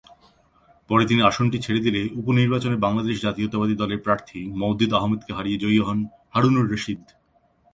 পরে তিনি আসনটি ছেড়ে দিলে উপনির্বাচনে বাংলাদেশ জাতীয়তাবাদী দলের প্রার্থী মওদুদ আহমদকে হারিয়ে জয়ী হন হারুনুর রশিদ।